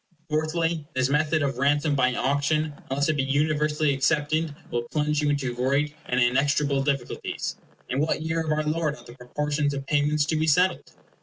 Fourthly, this method of ransom by auction, unless it be universally accepted, will plunge you into great and inextricable difficulties. In what year of our Lord are the proportions of payments to be settled?